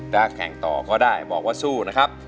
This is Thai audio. แข่งต่อก็ได้บอกว่าสู้นะครับ